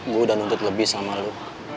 gue udah nuntut lebih sama lo